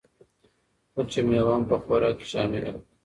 وچه مېوه هم په خوراک کې شامله کړئ.